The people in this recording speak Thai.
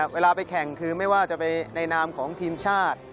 ไปแข่งคือไม่ว่าจะไปในนามของทีมชาติ